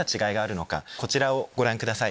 こちらをご覧ください。